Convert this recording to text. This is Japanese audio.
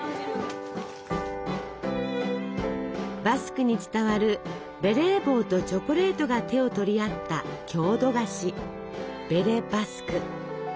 バスクに伝わるベレー帽とチョコレートが手を取り合った郷土菓子ベレ・バスク。